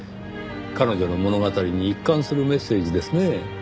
彼女の物語に一貫するメッセージですねぇ。